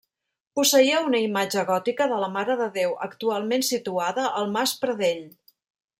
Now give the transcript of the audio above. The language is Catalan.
Posseïa una imatge gòtica de la Mare de Déu, actualment situada al Mas Pradell.